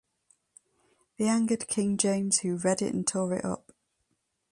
The angered King James who read it and tore it up.